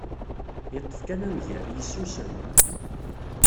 Yeṭṭef kan amger, yessusem.